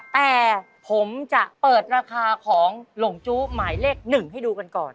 แต่ผมจะเปิดราคาของหลงจู้หมายเลข๑ให้ดูกันก่อน